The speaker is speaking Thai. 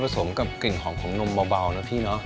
สมกับกลิ่นหอมของนมเบานะพี่เนอะ